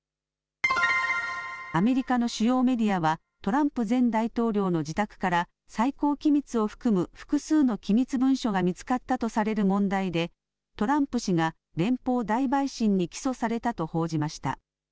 アメリカの主要メディアはトランプ前大統領の自宅から最高機密を含む複数の機密文書が見つかったとされる問題でトランプ氏が連邦大陪審に起訴されたと報じました。